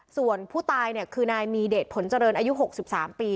ส่วนผู้ตายคือนายมีเดชผลเจริญอายุ๖๓ปี